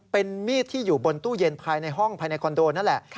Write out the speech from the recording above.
เป็นมีดที่อยู่บนตู้เย็นภายในห้องภายในคอนโดนั่นแหละ